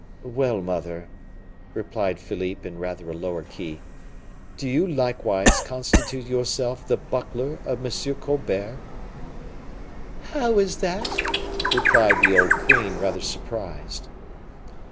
"Well, mother!" replied Philippe, in rather a lower key, "do you likewise constitute yourself the buckler of M. Colbert?" "How is that?" replied the old queen, rather surprised.